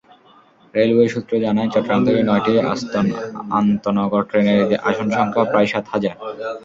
Railway সূত্র জানায়, চট্টগ্রাম থেকে নয়টি আন্তনগর ট্রেনের আসনসংখ্যা প্রায় সাত হাজার।